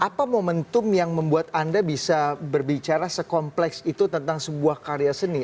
apa momentum yang membuat anda bisa berbicara sekompleks itu tentang sebuah karya seni